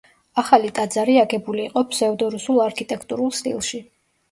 ახალი ტაძარი აგებული იყო ფსევდორუსულ არქიტეტურულ სტილში.